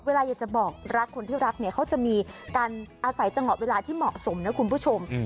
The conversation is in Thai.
เวลาอยากจะบอกรักคนที่รักเนี่ยเขาจะมีการอาศัยจังหวะเวลาที่เหมาะสมนะคุณผู้ชม